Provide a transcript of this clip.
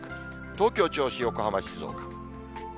東京、銚子、横浜、静岡。